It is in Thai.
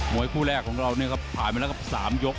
วยคู่แรกของเราเนี่ยครับผ่านมาแล้วกับ๓ยก